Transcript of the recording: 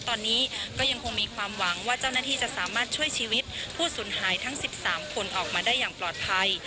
ตอนนี้ก็ยังคงมีความหวังว่าเจ้าหน้าที่จะสามารถช่วยชีวิตผู้สูญหายทั้ง๑๓คนออกมาได้อย่างปลอดภัย